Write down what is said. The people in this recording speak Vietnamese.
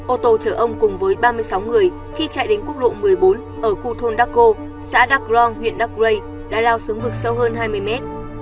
ô tô chở ông cùng với ba mươi sáu người khi chạy đến quốc lộ một mươi bốn ở khu thôn darko xã dark long huyện dark lake đã lao xuống vực sâu hơn hai mươi mét